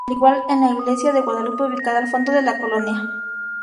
Al igual en la iglesia de Guadalupe ubicada al fondo de la colonia.